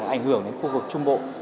ảnh hưởng đến khu vực trung bộ